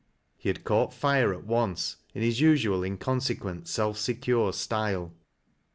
He had cauglit fire at once, in his usual inconsequent, aolf secure style.